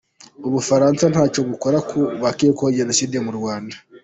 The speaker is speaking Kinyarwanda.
U Bufaransa ntacyo bukora ku bakekwaho Jenoside mu Rwanda